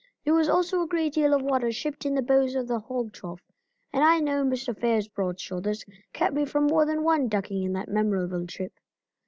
There was also a great deal of water shipped in the bows of the hog trough, and I know Mr. Fair's broad shoulders kept me from more than one ducking in that memorable trip.